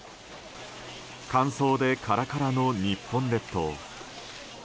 乾燥でカラカラの日本列島。